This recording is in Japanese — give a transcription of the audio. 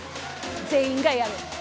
全員がやる。